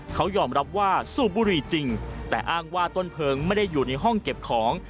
เขายอมรับว่าสูบบุหรี่จริงแต่อ้างว่าต้นเพลิงไม่ได้อยู่ในห้องเก็บของ